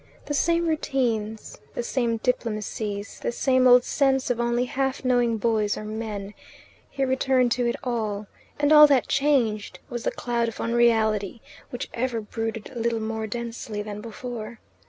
The same routine, the same diplomacies, the same old sense of only half knowing boys or men he returned to it all: and all that changed was the cloud of unreality, which ever brooded a little more densely than before.